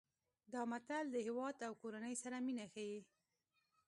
دا متل د هیواد او کورنۍ سره مینه ښيي